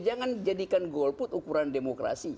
jangan jadikan golput ukuran demokrasi